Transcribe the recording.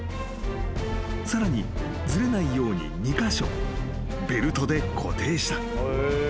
［さらにずれないように２カ所ベルトで固定した］